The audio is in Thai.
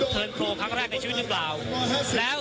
ทันพลครั้งแรกในชีวิตนี่เปล่าแล้ว